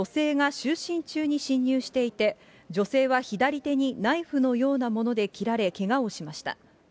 ２人に面識はなく、赤間容疑者は、女性が就寝中に侵入していて、女性は左手にナイフのようなもので切られ、けがをしました。